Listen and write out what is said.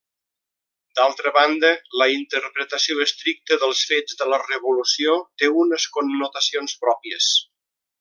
D'altra banda, la interpretació estricta dels fets de la revolució té unes connotacions pròpies.